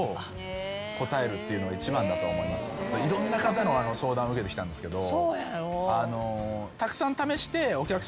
いろんな方の相談受けてきたんですけど。